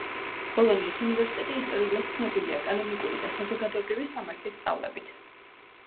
ბოლონიის უნივერსიტეტი ისტორიულად ცნობილია კანონიკური და საზოგადოებრივი სამართლის სწავლებით.